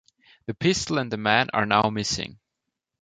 The pistol and the man are now missing.